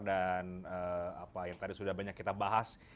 dan apa yang tadi sudah banyak kita bahas